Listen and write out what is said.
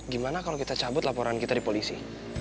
gimana kalau kita cabut laporan kita di polisi